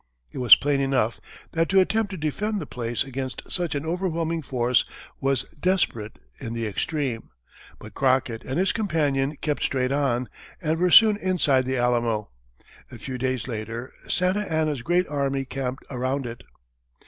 It was plain enough that to attempt to defend the place against such an overwhelming force was desperate in the extreme, but Crockett and his companion kept straight on, and were soon inside The Alamo. A few days later, Santa Anna's great army camped around it.